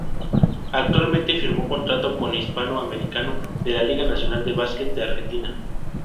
Actualmente firmó contrato con Hispano Americano de la Liga Nacional de Básquet de Argentina.